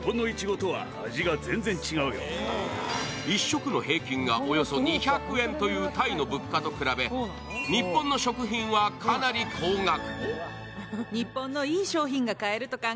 １食の平均がおよそ２００円というタイの物価と比べ日本の食品はかなり高額。